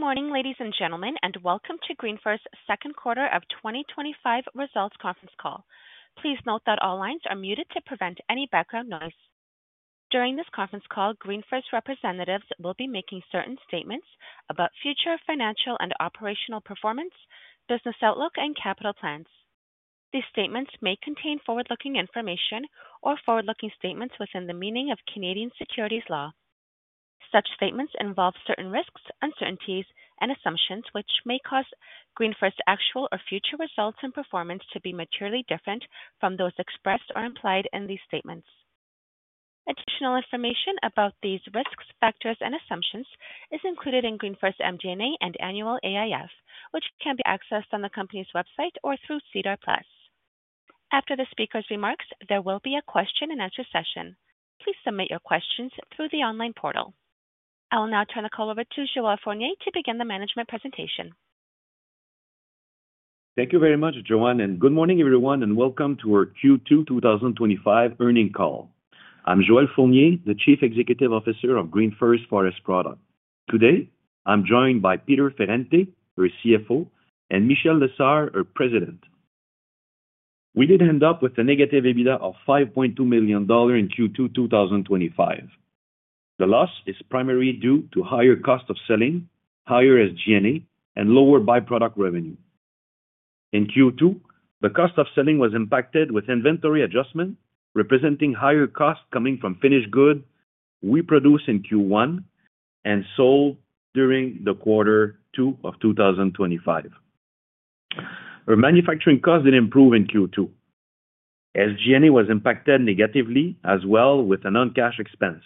Good morning, ladies and gentlemen, and welcome to GreenFirst second quarter of 2025 results conference call. Please note that all lines are muted to prevent any background noise. During this conference call, GreenFirst representatives will be making certain statements about future financial and operational performance, business outlook, and capital plans. These statements may contain forward-looking information or forward-looking statements within the meaning of Canadian securities law. Such statements involve certain risks, uncertainties, and assumptions which may cause GreenFirst's actual or future results and performance to be materially different from those expressed or implied in these statements. Additional information about these risks, factors, and assumptions is included in GreenFirst's MD&A and annual AIF, which can be accessed on the company's website or through SEDAR Plus. After the speaker's remarks, there will be a question and answer session. Please submit your questions through the online portal. I will now turn the call over to Joel Fournier to begin the management presentation. Thank you very much, Joan, and good morning everyone, and welcome to our Q2 2025 earnings call. I'm Joel Fournier, the Chief Executive Officer of GreenFirst Forest Products. Today, I'm joined by Peter Ferrante, our CFO, and Michel Lessard, our President. We did end up with a negative EBITDA of $5.2 million in Q2 2025. The loss is primarily due to higher cost of selling, higher SG&A, and lower byproduct revenue. In Q2, the cost of selling was impacted with inventory adjustment, representing higher costs coming from finished goods we produced in Q1 and sold during Q2 2025. Our manufacturing cost did improve in Q2. SG&A was impacted negatively as well, with a non-cash expense.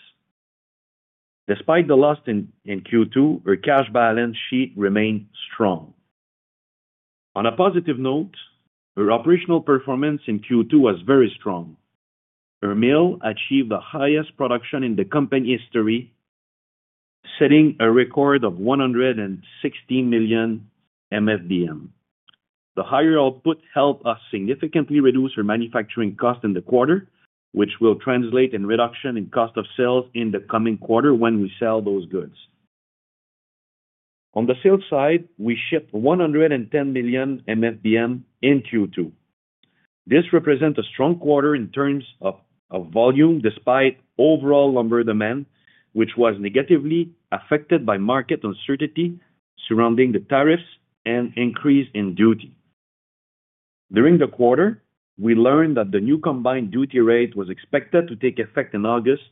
Despite the loss in Q2, our cash balance sheet remained strong. On a positive note, our operational performance in Q2 was very strong. Our mill achieved the highest production in the company history, setting a record of 116 million MfBM. The higher output helped us significantly reduce our manufacturing cost in the quarter, which will translate in reduction in cost of sales in the coming quarter when we sell those goods. On the sales side, we shipped 110 million MfBM in Q2. This represents a strong quarter in terms of volume despite overall lumber demand, which was negatively affected by market uncertainty surrounding the tariffs and increase in duty. During the quarter, we learned that the new combined duty rate was expected to take effect in August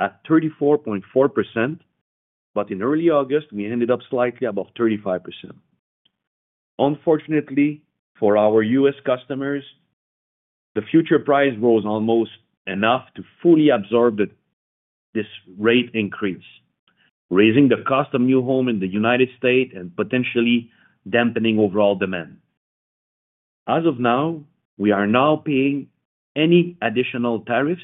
at 34.4%, but in early August, we ended up slightly above 35%. Unfortunately, for our U.S. customers, the future price rose almost enough to fully absorb this rate increase, raising the cost of new homes in the United States and potentially dampening overall demand. As of now, we are not paying any additional tariffs,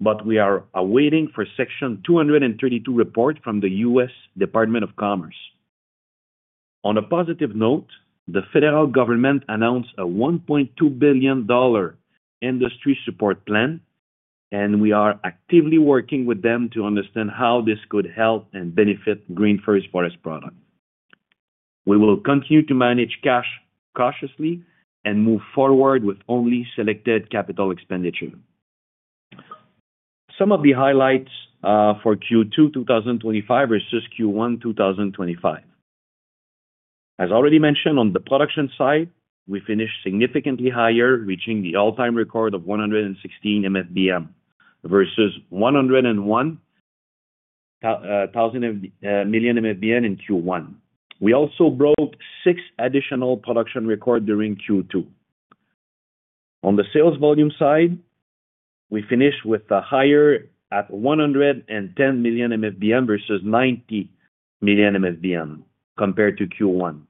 but we are awaiting Section 232 report from the U.S. Department of Commerce. On a positive note, the federal government announced a $1.2 billion industry support plan, and we are actively working with them to understand how this could help and benefit GreenFirst Forest Products. We will continue to manage cash cautiously and move forward with only selected capital expenditures. Some of the highlights for Q2 2025 versus Q1 2025. As already mentioned, on the production side, we finished significantly higher, reaching the all-time record of 116 million MfBM versus 101 million MfBM in Q1. We also broke six additional production records during Q2. On the sales volume side, we finished with a higher at 110 million MfBM versus 90 million MfBM compared to Q1,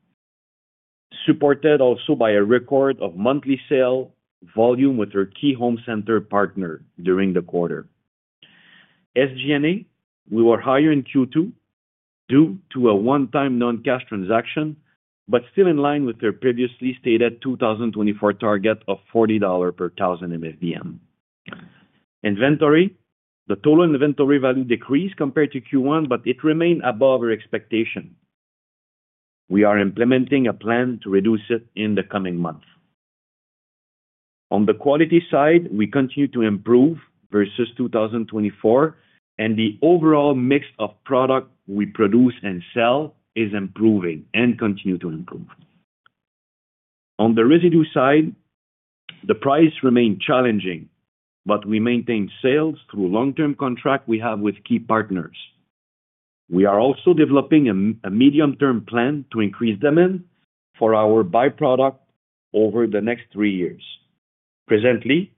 supported also by a record of monthly sale volume with our key home center partner during the quarter. SG&A, we were higher in Q2 due to a one-time non-cash transaction, but still in line with our previously stated 2024 target of $40 per 1,000 MfBM. Inventory, the total inventory value decreased compared to Q1, but it remained above our expectation. We are implementing a plan to reduce it in the coming month. On the quality side, we continue to improve versus 2024, and the overall mix of products we produce and sell is improving and continues to improve. On the residue side, the price remains challenging, but we maintain sales through a long-term contract we have with key partners. We are also developing a medium-term plan to increase demand for our by-product over the next three years. Presently,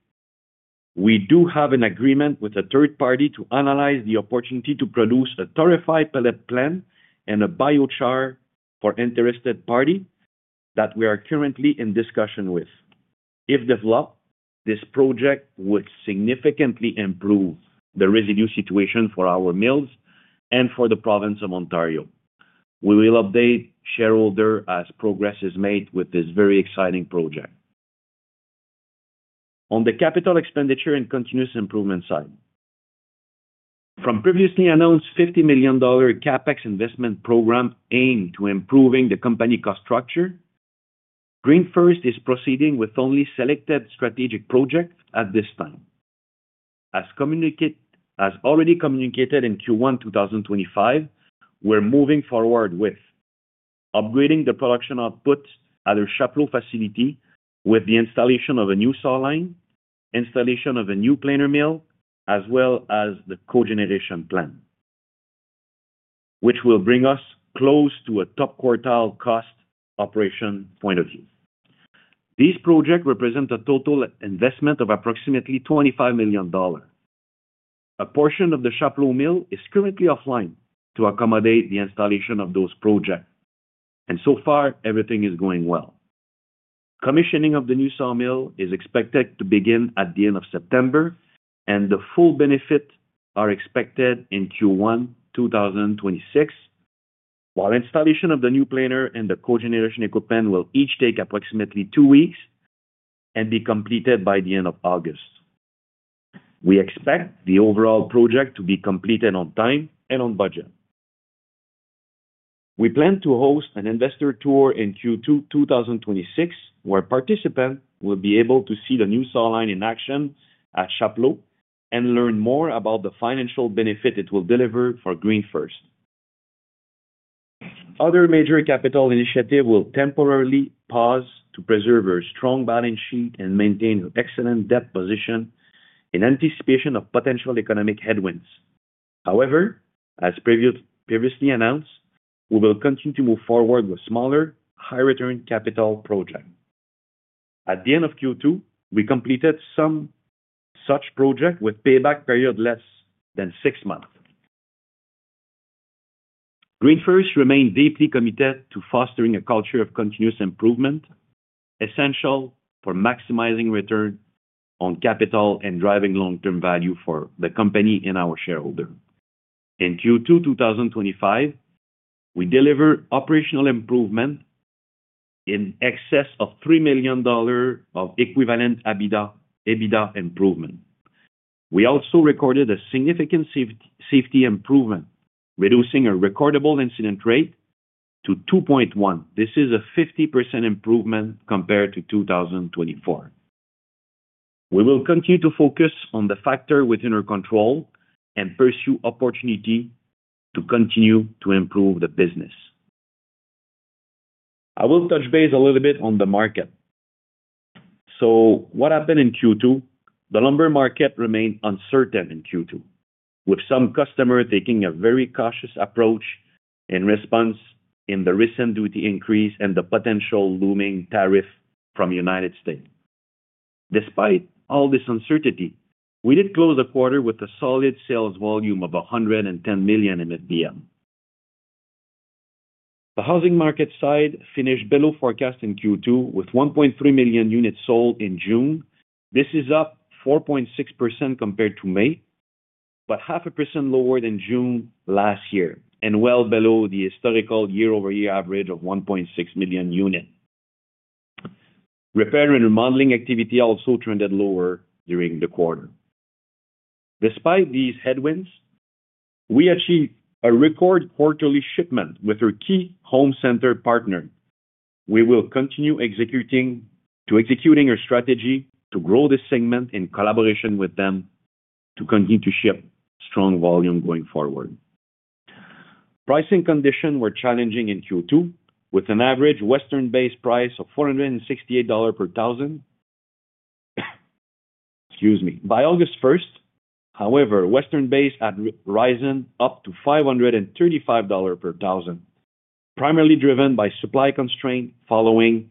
we do have an agreement with a third party to analyze the opportunity to produce a torrefied pellet plant and a biochar for an interested party that we are currently in discussion with. If developed, this project would significantly improve the residue situation for our mills and for the province of Ontario. We will update shareholders as progress is made with this very exciting project. On the capital expenditure and continuous improvement side, from the previously announced $50 million CAPEX investment program aimed to improve the company cost structure, GreenFirst is proceeding with only selected strategic projects at this time. As already communicated in Q1 2025, we're moving forward with upgrading the production output at our Chapleau facility with the installation of a new saw line, installation of a new planer mill, as well as the cogeneration plant, which will bring us close to a top quartile cost operation point of view. These projects represent a total investment of approximately $25 million. A portion of the Chapleau mill is currently offline to accommodate the installation of those projects, and so far, everything is going well. Commissioning of the new saw mill is expected to begin at the end of September, and the full benefits are expected in Q1 2026, while installation of the new planer and the cogeneration equipment will each take approximately two weeks and be completed by the end of August. We expect the overall project to be completed on time and on budget. We plan to host an investor tour in Q2 2026, where participants will be able to see the new saw line in action at Chapleau and learn more about the financial benefit it will deliver for GreenFirst. Other major capital initiatives will temporarily pause to preserve our strong balance sheet and maintain an excellent debt position in anticipation of potential economic headwinds. However, as previously announced, we will continue to move forward with smaller, high-return capital projects. At the end of Q2, we completed some such projects with payback periods less than six months. GreenFirst remains deeply committed to fostering a culture of continuous improvement, essential for maximizing return on capital and driving long-term value for the company and our shareholders. In Q2 2025, we delivered operational improvement in excess of $3 million of equivalent EBITDA improvement. We also recorded a significant safety improvement, reducing our recordable incident rate to 2.1%. This is a 50% improvement compared to 2024. We will continue to focus on the factors within our control and pursue opportunities to continue to improve the business. I will touch base a little bit on the market. What happened in Q2? The lumber market remained uncertain in Q2, with some customers taking a very cautious approach in response to the recent duty increase and the potential looming tariffs from the United States. Despite all this uncertainty, we did close the quarter with a solid sales volume of 110 million MfBM. The housing market side finished below forecast in Q2, with 1.3 million units sold in June. This is up 4.6% compared to May, but 0.5% lower than June last year and well below the historical year-over-year average of 1.6 million units. Repair and remodeling activity also trended lower during the quarter. Despite these headwinds, we achieved a record quarterly shipment with our key home center partner. We will continue executing our strategy to grow this segment in collaboration with them to continue to ship strong volume going forward. Pricing conditions were challenging in Q2, with an average Western-based price of $468 per 1,000. Excuse me. By August 1st, however, Western-based had risen up to $535 per 1,000, primarily driven by supply constraints following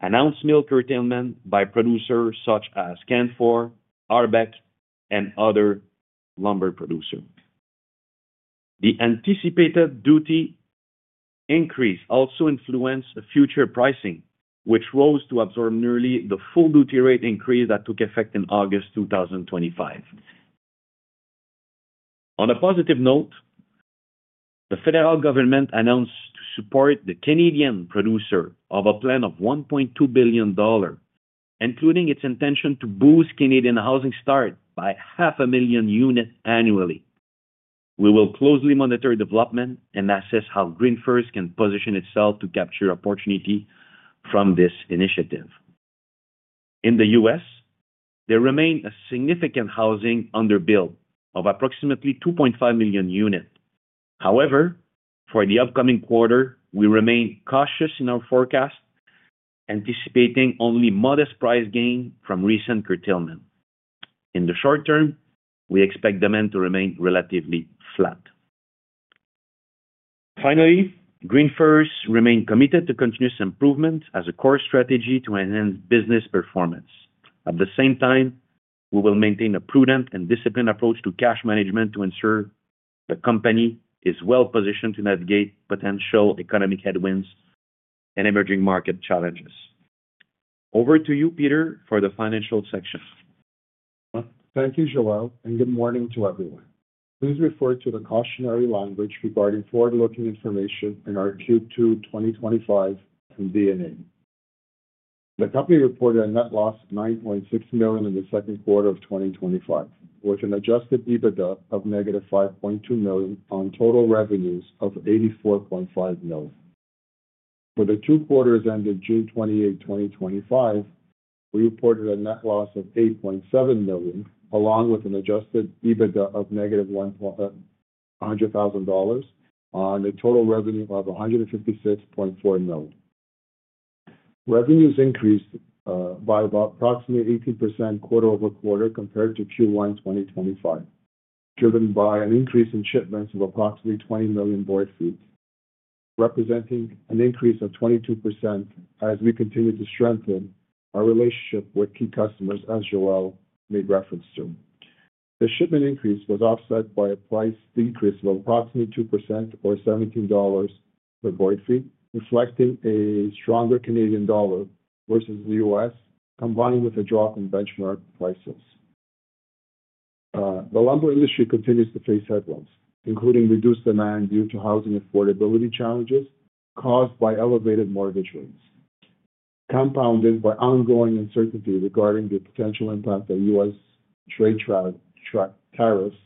announced mill curtailment by producers such as Canfor, Arbec, and other lumber producers. The anticipated duty increase also influenced future pricing, which rose to absorb nearly the full duty rate increase that took effect in August 2025. On a positive note, the federal government announced support for the Canadian producers of a plan of $1.2 billion, including its intention to boost Canadian housing starts by half a million units annually. We will closely monitor development and assess how GreenFirst can position itself to capture opportunity from this initiative. In the U.S., there remains a significant housing underbuild of approximately 2.5 million units. However, for the upcoming quarter, we remain cautious in our forecast, anticipating only modest price gains from recent curtailment. In the short term, we expect demand to remain relatively flat. Finally, GreenFirst remains committed to continuous improvement as a core strategy to enhance business performance. At the same time, we will maintain a prudent and disciplined approach to cash management to ensure the company is well-positioned to navigate potential economic headwinds and emerging market challenges. Over to you, Peter, for the financial section. Thank you, Joel, and good morning to everyone. Please refer to the cautionary language regarding forward-looking information in our Q2 2025 MD&A. The company reported a net loss of $9.6 million in the second quarter of 2025, with an adjusted EBITDA of -$5.2 million on total revenues of $84.5 million. For the two quarters ending June 28, 2025, we reported a net loss of $8.7 million, along with an adjusted EBITDA of -$0.1 million on a total revenue of $156.4 million. Revenues increased by approximately 18% quarter over quarter compared to Q1 2025, driven by an increase in shipments of approximately 20 million board feet, representing an increase of 22% as we continue to strengthen our relationship with key customers, as Joel made reference to. The shipment increase was offset by a price increase of approximately 2% or $17 per board feet, reflecting a stronger Canadian dollar versus the U.S., combined with a drop in benchmark prices. The lumber industry continues to face headwinds, including reduced demand due to housing affordability challenges caused by elevated mortgage rates, compounded by ongoing uncertainty regarding the potential impact on U.S. trade tariffs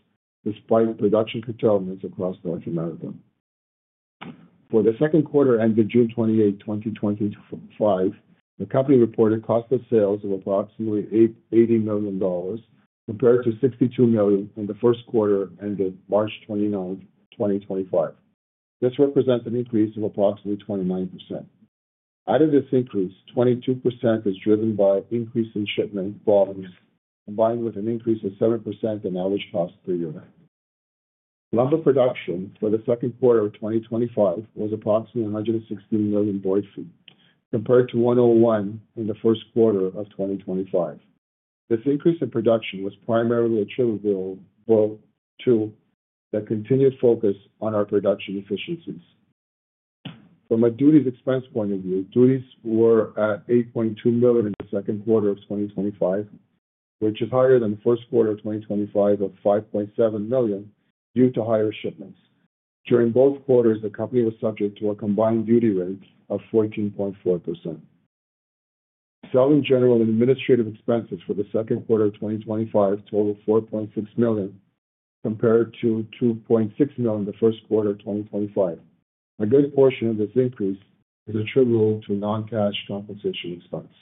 despite production curtailments across North America. For the second quarter ending June 28, 2025, the company reported cost of sales of approximately $80 million compared to $62 million in the first quarter ending March 29, 2025. This represents an increase of approximately 29%. Out of this increase, 22% is driven by increasing shipment volumes, combined with an increase of 7% in average cost per unit. Lumber production for the second quarter of 2025 was approximately 116 million board feet, compared to 101 million in the first quarter of 2025. This increase in production was primarily attributable to the continued focus on our production efficiencies. From a duties expense point of view, duties were at $8.2 million in the second quarter of 2025, which is higher than the first quarter of 2025 of $5.7 million due to higher shipments. During both quarters, the company was subject to a combined duty rate of 14.4%. In general, administrative expenses for the second quarter of 2025 total $4.6 million compared to $2.6 million in the first quarter of 2025. A good portion of this increase is attributable to non-cash compensation expense.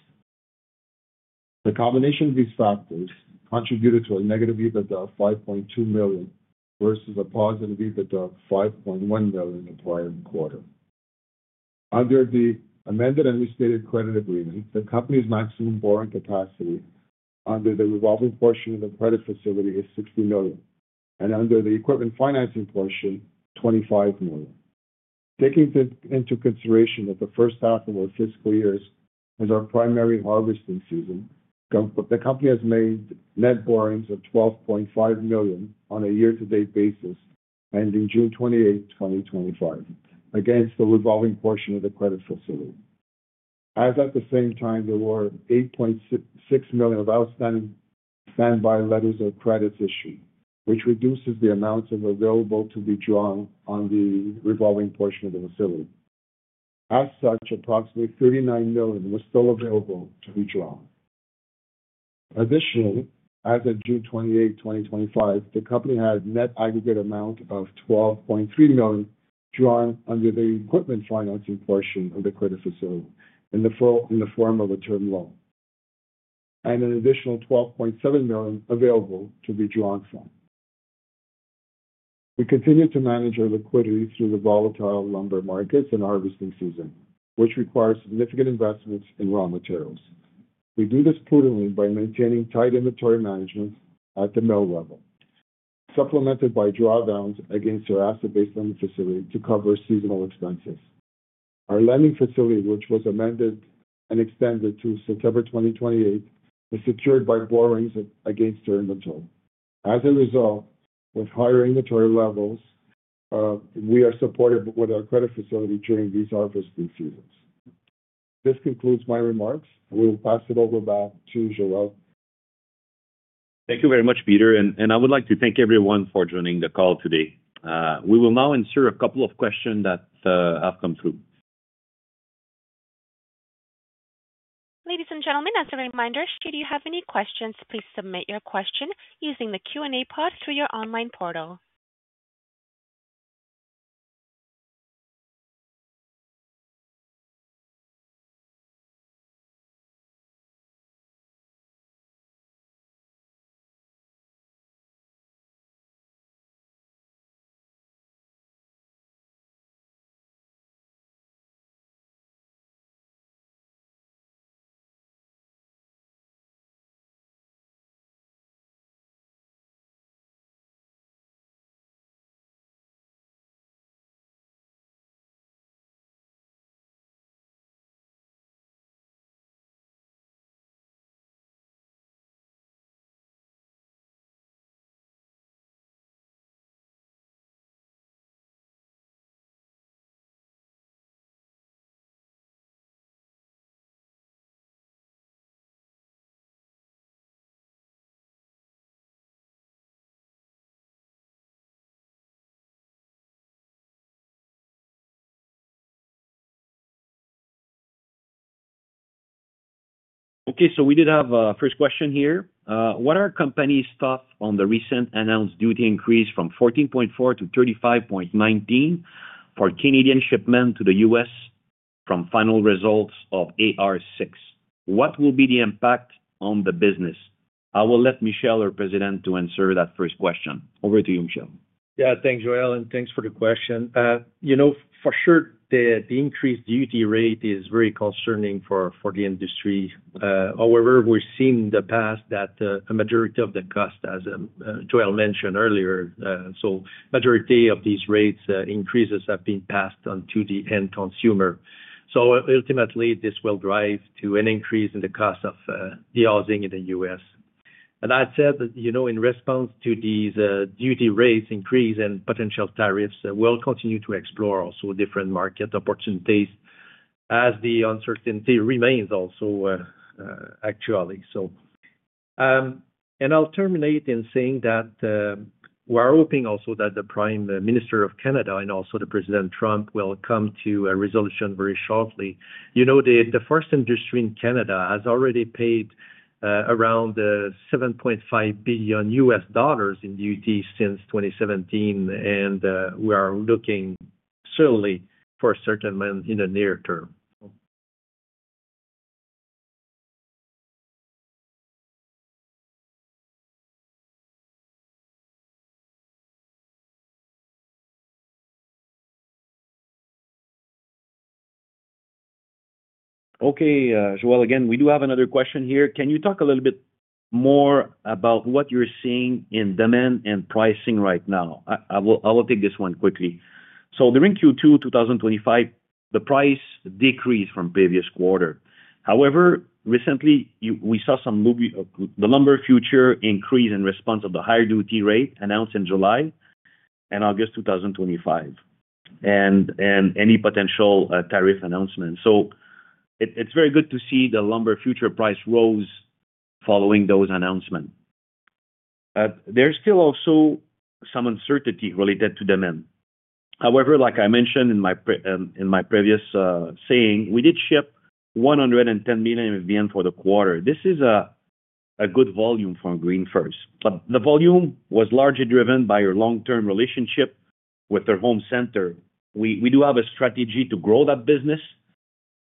The combination of these factors contributed to a negative EBITDA of $5.2 million versus a positive EBITDA of $5.1 million in the prior quarter. Under the amended and restated credit agreement, the company's maximum borrowing capacity under the revolving portion of the credit facility is $60 million, and under the equipment financing portion, $25 million. Taking into consideration that the first half of our fiscal year is our primary harvesting season, the company has made net borrowings of $12.5 million on a year-to-date basis ending June 28, 2025, against the revolving portion of the credit facility. As at the same time, there were $8.6 million of outstanding standby letters of credit issued, which reduces the amounts available to be drawn on the revolving portion of the facility. As such, approximately $39 million was still available to be drawn. Additionally, as of June 28, 2025, the company had a net aggregate amount of $12.3 million drawn under the equipment financing portion of the credit facility in the form of a term loan, and an additional $12.7 million available to be drawn from. We continue to manage our liquidity through the volatile lumber markets and harvesting season, which require significant investments in raw materials. We do this prudently by maintaining tight inventory management at the mill level, supplemented by drawdowns against our asset-based limit facility to cover seasonal expenses. Our lending facility, which was amended and extended to September 2028, is secured by borrowings against our inventory. As a result, with higher inventory levels, we are supported with our credit facility during these harvesting seasons. This concludes my remarks. I will pass it over back to Joel. Thank you very much, Peter, and I would like to thank everyone for joining the call today. We will now answer a couple of questions that have come through. Ladies and gentlemen, as a reminder, should you have any questions, please submit your question using the Q&A pod through your online portal. Okay, so we do have a first question here. What are the company's thoughts on the recent announced duty increase from 14.4% to 35.19% for Canadian shipments to the U.S. from final results of AR-6? What will be the impact on the business? I will let Michel, our President, answer that first question. Over to you, Michel. Yeah, thanks, Joel, and thanks for the question. For sure, the increased duty rate is very concerning for the industry. However, we've seen in the past that a majority of the cost, as Joel mentioned earlier, so a majority of these rate increases have been passed onto the end consumer. Ultimately, this will drive to an increase in the cost of depositing in the U.S. I'd say that, in response to these duty rate increases and potential tariffs, we'll continue to explore also different market opportunities as the uncertainty remains also, actually. I'll terminate in saying that we're hoping also that the Prime Minister of Canada and also President Trump will come to a resolution very shortly. The forest industry in Canada has already paid around $7.5 billion U.S. dollars in duties since 2017, and we are looking certainly for a certain amount in the near term. Okay, Joel, again, we do have another question here. Can you talk a little bit more about what you're seeing in demand and pricing right now? I will take this one quickly. During Q2 2025, the price decreased from the previous quarter. However, recently, we saw some movement. The lumber future increased in response to the higher duty rate announced in July and August 2025, and any potential tariff announcements. It's very good to see the lumber future price rose following those announcements. There's still also some uncertainty related to demand. However, like I mentioned in my previous saying, we did ship 110 million MfBM for the quarter. This is a good volume for GreenFirst, but the volume was largely driven by our long-term relationship with our home center. We do have a strategy to grow that business,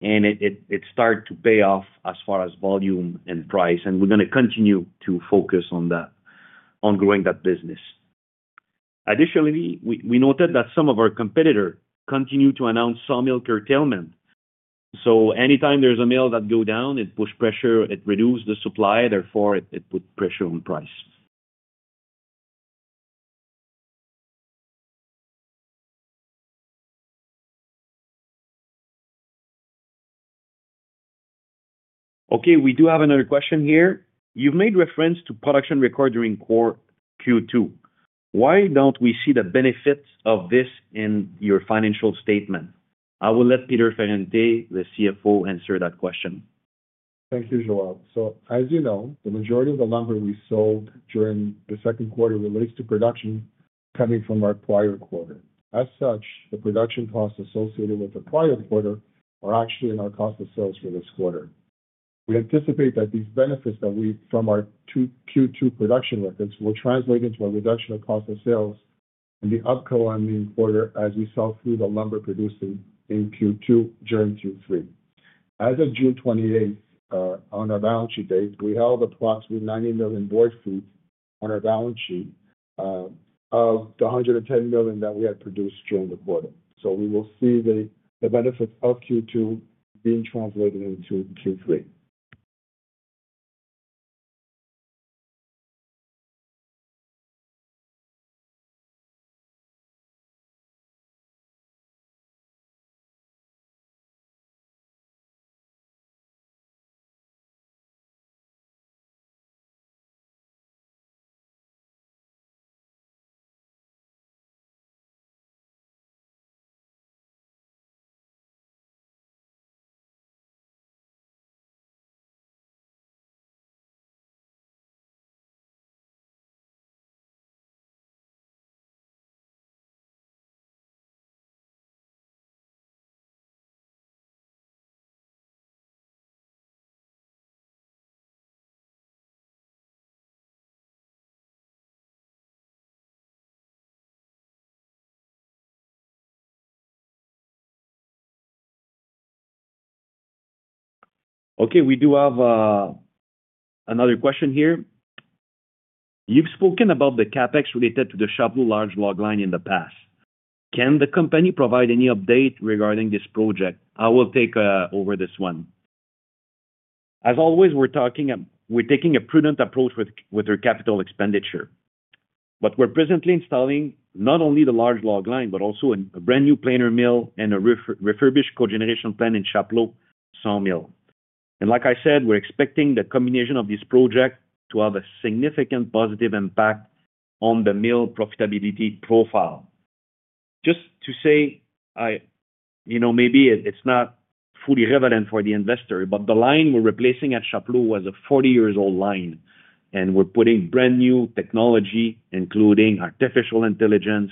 and it started to pay off as far as volume and price, and we're going to continue to focus on that, on growing that business. Additionally, we noted that some of our competitors continue to announce saw mill curtailments. Anytime there's a mill that goes down, it reduces the supply, therefore, it puts pressure on price. Okay, we do have another question here. You've made reference to production records during Q2. Why don't we see the benefits of this in your financial statement? I will let Peter Ferrante, the CFO, answer that question. Thank you, Joel. As you know, the majority of the lumber we sold during the second quarter relates to production coming from our prior quarter. As such, the production costs associated with the prior quarter are actually in our cost of sales for this quarter. We anticipate that these benefits that we from our Q2 production records will translate into a reduction in cost of sales in the upcoming quarter as we saw through the lumber producing in Q2 during Q3. As of June 28, on our balance sheet date, we held approximately 90 million board feet on our balance sheet of the 110 million that we had produced during the quarter. We will see the benefits of Q2 being translated into Q3. Okay, we do have another question here. You've spoken about the CAPEX related to the Chapleau large log line in the past. Can the company provide any update regarding this project? I will take over this one. As always, we're talking, we're taking a prudent approach with our capital expenditure, but we're presently installing not only the large log line, but also a brand new planer mill and a refurbished cogeneration plant in the Chapleau saw mill. Like I said, we're expecting the combination of these projects to have a significant positive impact on the mill profitability profile. Just to say, maybe it's not fully relevant for the investor, but the line we're replacing at Chapleau was a 40-year-old line, and we're putting brand new technology, including artificial intelligence.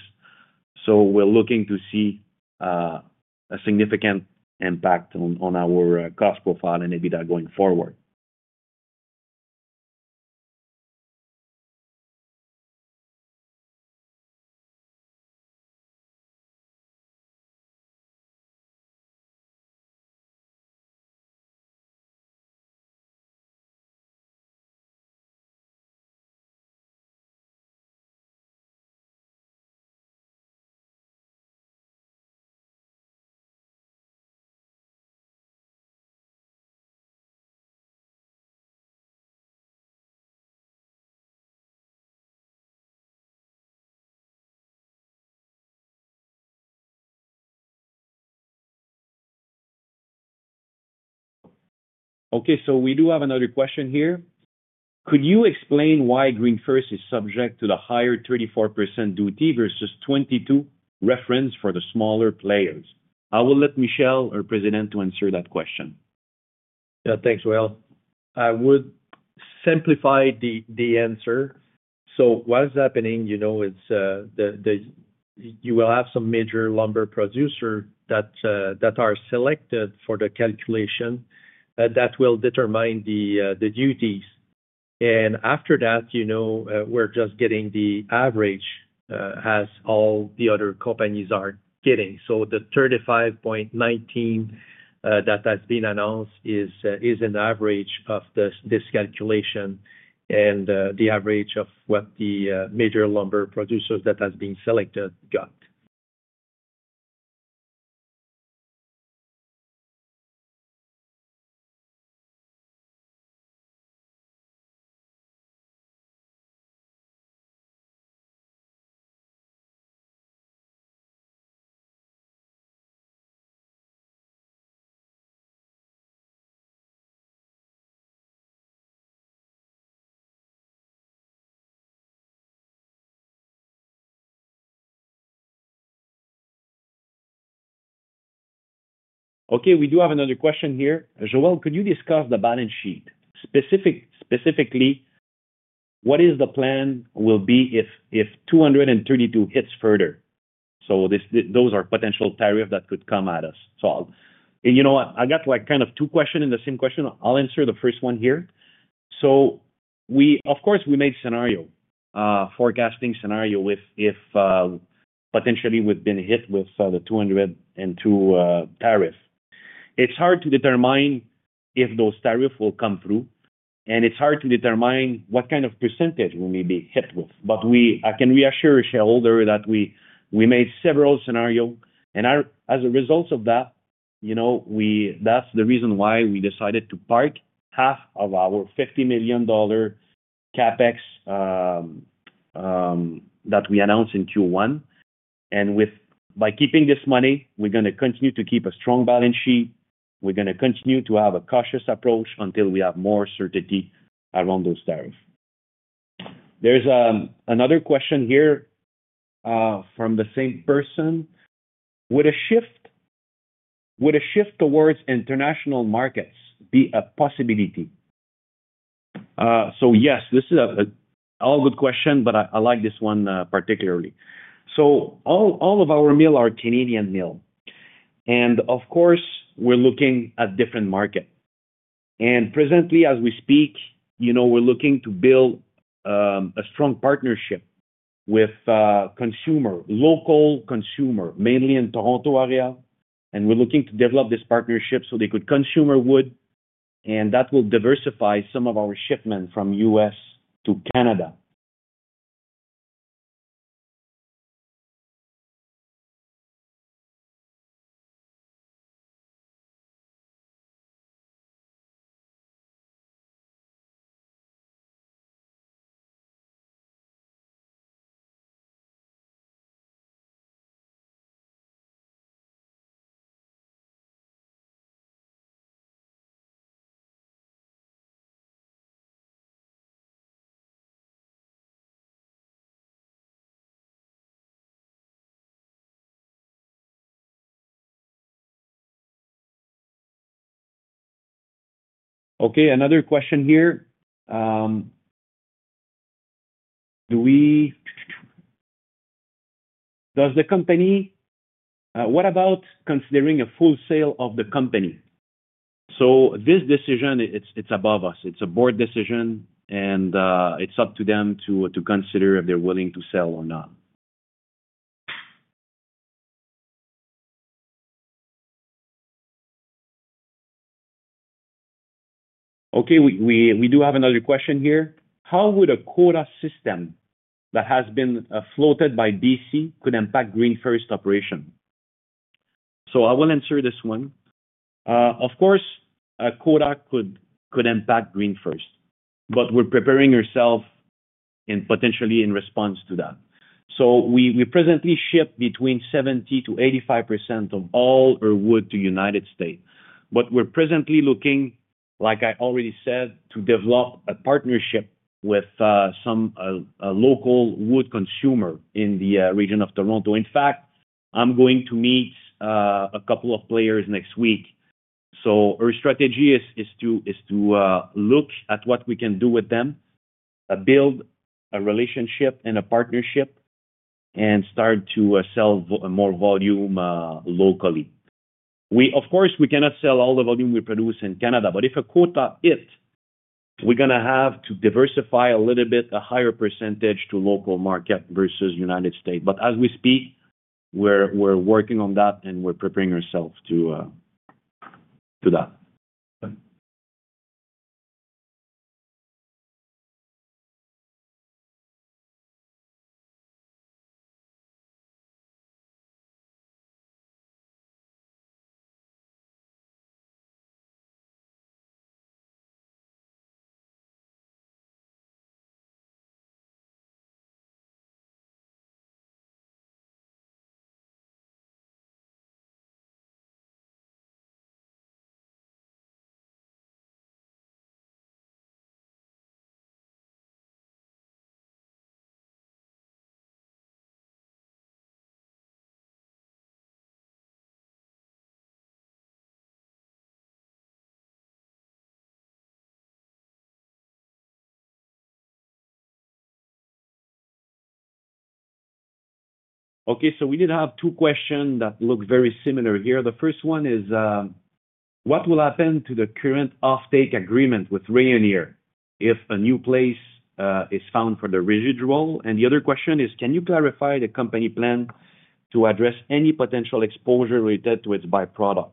We're looking to see a significant impact on our cost profile and EBITDA going forward. Okay, we do have another question here. Could you explain why GreenFirst is subject to the higher 34% duty versus 22% referenced for the smaller players? I will let Michel, our President, answer that question. Yeah, thanks, Joel. I would simplify the answer. What is happening, you know, is you will have some major lumber producers that are selected for the calculation that will determine the duties. After that, we're just getting the average as all the other companies are getting. The 35.19% that has been announced is an average of this calculation and the average of what the major lumber producers that have been selected got. Okay, we do have another question here. Joel, could you discuss the balance sheet? Specifically, what is the plan will be if 232 hits further? Those are potential tariffs that could come at us. I got like kind of two questions in the same question. I'll answer the first one here. We, of course, we made a scenario, a forecasting scenario if potentially we've been hit with the 232 tariff. It's hard to determine if those tariffs will come through, and it's hard to determine what kind of percentage we may be hit with. I can reassure a shareholder that we made several scenarios, and as a result of that, that's the reason why we decided to park half of our $50 million CAPEX that we announced in Q1. By keeping this money, we're going to continue to keep a strong balance sheet. We're going to continue to have a cautious approach until we have more certainty around those tariffs. There's another question here from the same person. Would a shift towards international markets be a possibility? Yes, this is an all-good question, but I like this one particularly. All of our mills are Canadian mills, and of course, we're looking at different markets. Presently, as we speak, we're looking to build a strong partnership with consumers, local consumers, mainly in the Toronto area, and we're looking to develop this partnership so they could consume our wood, and that will diversify some of our shipments from the U.S. to Canada. Okay, another question here. Does the company, what about considering a full sale of the company? This decision, it's above us. It's a board decision, and it's up to them to consider if they're willing to sell or not. Okay, we do have another question here. How would a quota system that has been floated by DC could impact GreenFirst operations? I will answer this one. Of course, a quota could impact GreenFirst, but we're preparing ourselves potentially in response to that. We presently ship between 70%-85% of all our wood to the United States, but we're presently looking, like I already said, to develop a partnership with some local wood consumers in the region of Toronto. In fact, I'm going to meet a couple of players next week. Our strategy is to look at what we can do with them, build a relationship and a partnership, and start to sell more volume locally. We, of course, cannot sell all the volume we produce in Canada, but if a quota hits, we're going to have to diversify a little bit, a higher percentage to the local market versus the United States. As we speak, we're working on that and we're preparing ourselves to do that. We do have two questions that look very similar here. The first one is, what will happen to the current off-take agreement with Rayonier if a new place is found for the residual? The other question is, can you clarify the company plan to address any potential exposure related to its byproduct?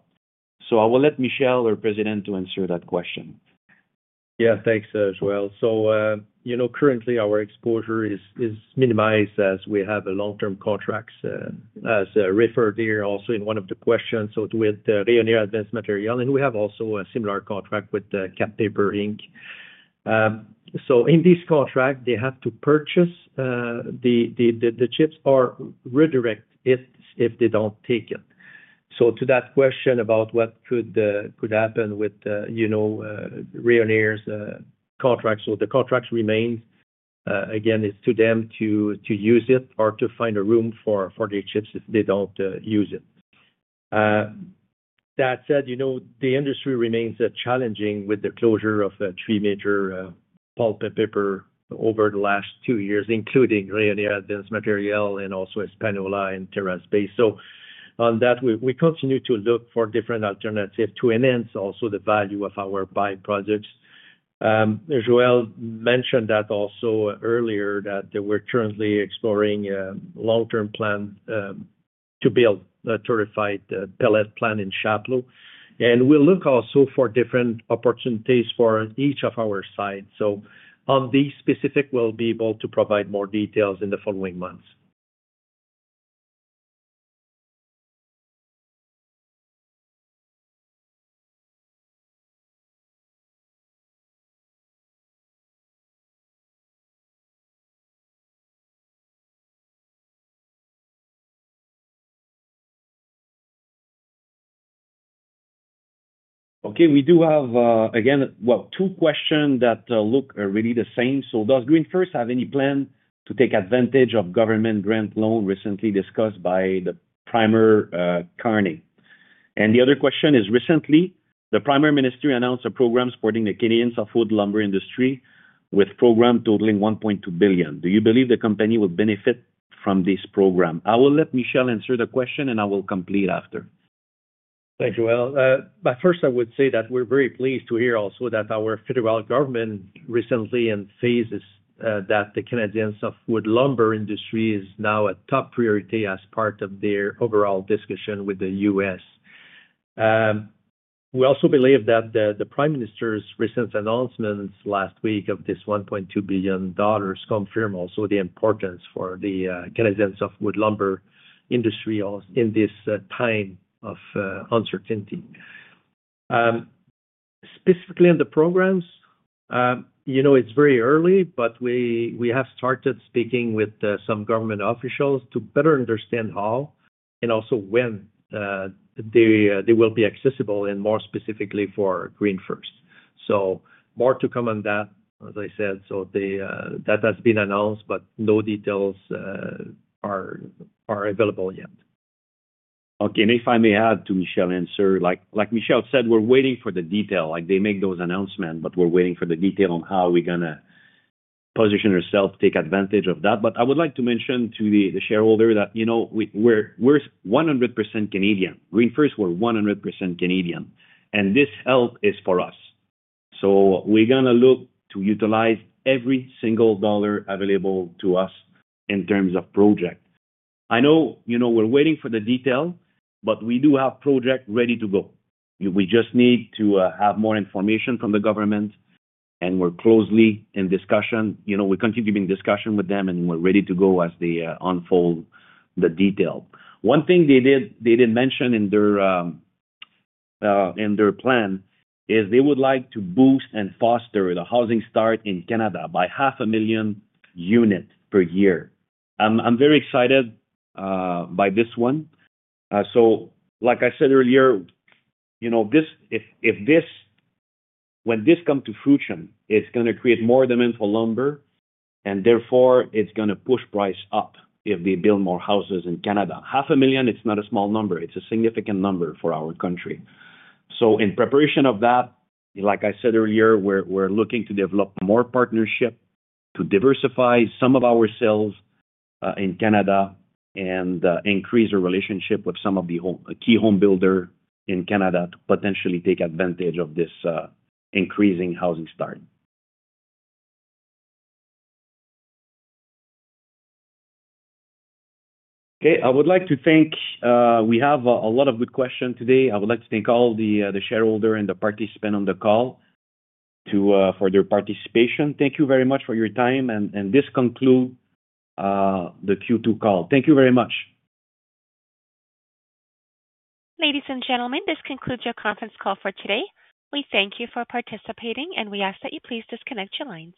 I will let Michel, our President, answer that question. Yeah, thanks, Joel. Currently, our exposure is minimized as we have long-term contracts, as referred here also in one of the questions, with Rayonier Advanced Materials, and we have also a similar contract with Kap Paper Inc. In this contract, they have to purchase the chips or redirect if they don't take it. To that question about what could happen with Rayonier's contracts, the contracts remain, again, it's to them to use it or to find a room for their chips if they don't use it. That said, the industry remains challenging with the closure of three major pulp and paper over the last two years, including Rayonier Advanced Materials and also Espanola and Terrace Bay. We continue to look for different alternatives to enhance also the value of our by-products. Joel mentioned that earlier, that we're currently exploring a long-term plan to build a torrefied pellet plant in Chapleau, and we'll look also for different opportunities for each of our sites. On these specifics, we'll be able to provide more details in the following months. Okay, we do have, again, two questions that look really the same. Does GreenFirst have any plan to take advantage of government grant loans recently discussed by the Prime Minister Carney? The other question is, recently, the Prime Minister announced a program supporting the Canadian softwood lumber industry with a program totaling $1.2 billion. Do you believe the company will benefit from this program? I will let Michel answer the question, and I will complete after. Thanks, Joel. At first, I would say that we're very pleased to hear also that our federal government recently stated that the Canadian softwood lumber industry is now a top priority as part of their overall discussion with the U.S. We also believe that the Prime Minister's recent announcement last week of this $1.2 billion confirmed also the importance for the Canadian softwood lumber industry in this time of uncertainty. Specifically on the programs, it's very early, but we have started speaking with some government officials to better understand how and also when they will be accessible, and more specifically for GreenFirst. More to come on that, as I said, that has been announced, but no details are available yet. Okay, and if I may add to Michel's answer, like Michel said, we're waiting for the details. They make those announcements, but we're waiting for the details on how we're going to position ourselves to take advantage of that. I would like to mention to the shareholders that, you know, we're 100% Canadian. GreenFirst, we're 100% Canadian, and this help is for us. We're going to look to utilize every single dollar available to us in terms of projects. I know we're waiting for the details, but we do have projects ready to go. We just need to have more information from the government, and we're closely in discussion. We're continuing discussions with them, and we're ready to go as they unfold the details. One thing they did mention in their plan is they would like to boost and foster the housing start in Canada by half a million units per year. I'm very excited by this one. Like I said earlier, when this comes to fruition, it's going to create more demand for lumber, and therefore, it's going to push prices up if they build more houses in Canada. Half a million, it's not a small number. It's a significant number for our country. In preparation of that, like I said earlier, we're looking to develop more partnerships to diversify some of our sales in Canada and increase our relationship with some of the key home builders in Canada to potentially take advantage of this increasing housing start. I would like to thank, we have a lot of good questions today. I would like to thank all the shareholders and the participants on the call for their participation. Thank you very much for your time, and this concludes the Q2 call. Thank you very much. Ladies and gentlemen, this concludes your conference call for today. We thank you for participating, and we ask that you please disconnect your lines.